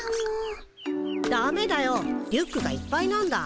ダメだよリュックがいっぱいなんだ。